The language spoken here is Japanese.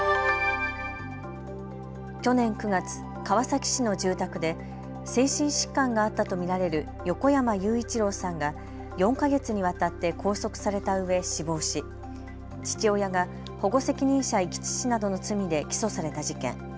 去年９月、川崎市の住宅で精神疾患があったと見られる横山雄一郎さんが４か月にわたって拘束されたうえ死亡し父親が保護責任者遺棄致死などの罪で起訴された事件。